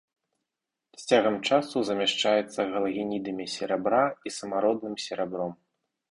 З цягам часу замяшчаецца галагенідамі серабра і самародным серабром.